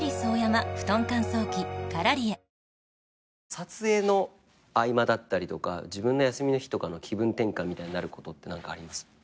撮影の合間だったりとか自分の休みの日とかの気分転換みたいになることって何かあります？